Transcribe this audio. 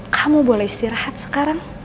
kamu boleh istirahat sekarang